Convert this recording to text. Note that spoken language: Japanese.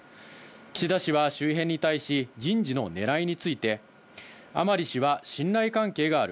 岸田氏は周辺に対し、人事のねらいについて、甘利氏は信頼関係がある。